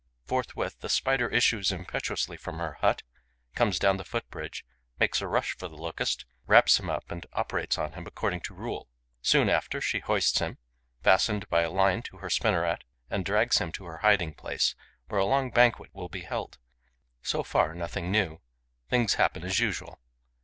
Forthwith, the Spider issues impetuously from her hut, comes down the foot bridge, makes a rush for the Locust, wraps him up and operates on him according to rule. Soon after, she hoists him, fastened by a line to her spinneret, and drags him to her hiding place, where a long banquet will be held. So far, nothing new: things happen as usual.